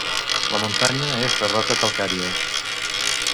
La muntanya és de roca calcària.